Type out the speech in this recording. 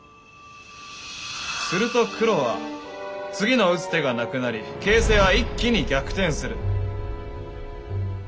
すると黒は次の打つ手がなくなり形勢は一気に逆転する。